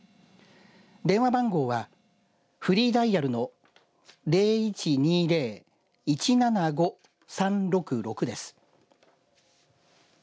電話番号は、フリーダイヤルの０１２０‐１７５‐３６６です。